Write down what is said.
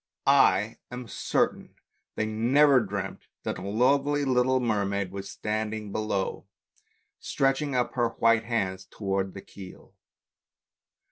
I am certain they never dreamt that a lovely little mermaid was standing down below, stretching up her white hands towards the keel.